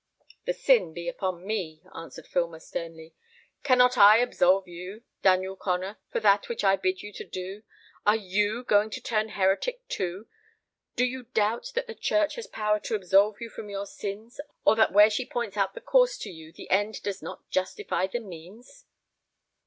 "The sin be upon me," answered Filmer, sternly. "Cannot I absolve you, Daniel Connor, for that which I bid you do? Are you going to turn heretic too? Do you doubt that the church has power to absolve you from your sins, or that where she points out the course to you the end does not justify the means?"